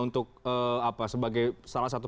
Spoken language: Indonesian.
untuk apa sebagai salah satu